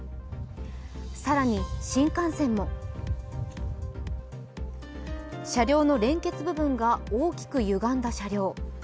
更に、新幹線も車両の連結部分が大きくゆがんだ車両。